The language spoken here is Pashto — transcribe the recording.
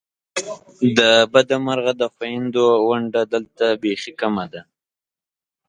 د بده مرغه د خوېندو ونډه دلته بیخې کمه ده !